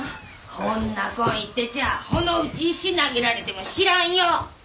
ほんなこん言ってちゃほのうち石投げられても知らんよ！